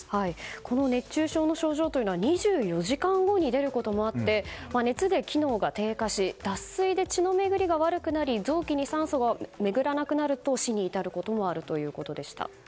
この熱中症の症状というのは２４時間後に出ることもあって熱で機能が低下し脱水で血の巡りが悪くなり臓器に酸素が巡らなくなると死に至ることもあるということでした。